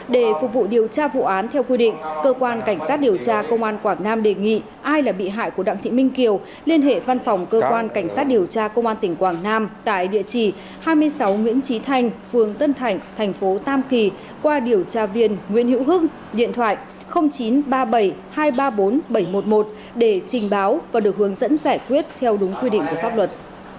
để phục vụ điều tra vụ án theo quy định cơ quan cảnh sát điều tra công an quảng nam đề nghị ai là bị hại của đặng thị minh kiều liên hệ văn phòng cơ quan cảnh sát điều tra công an tỉnh quảng nam tại địa chỉ hai mươi sáu nguyễn trí thành phường tân thành thành phố tam kỳ qua điều tra viên nguyễn hữu hưng điện thoại chín trăm ba mươi bảy hai trăm ba mươi bốn bảy trăm một mươi một để trình báo và được hướng dẫn giải quyết theo đúng quy định của pháp luật